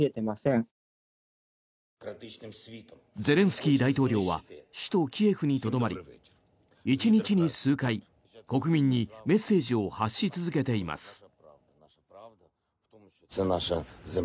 ゼレンスキー大統領は首都キエフにとどまり１日に数回、国民にメッセージを発し続けています。